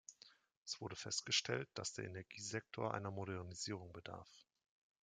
Es wurde festgestellt, dass der Energiesektor einer Modernisierung bedarf.